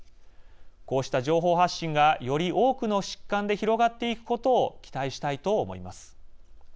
こうした情報発信がより多くの疾患で広がっていくことを期待したいと思います。